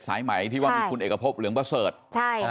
สายไหมที่ว่ามีคุณเอกพบเหลืองเบอร์เสิร์ต